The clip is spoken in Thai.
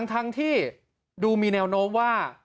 ทั้งที่ดูมีแนวโน้มว่า